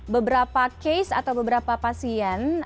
beberapa case atau beberapa pasien